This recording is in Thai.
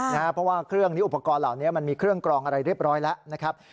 เพราะว่าเครื่องนี้อุปกรณ์เหล่านี้มันมีเครื่องกรองอะไรเรียบร้อยแล้วนะครับ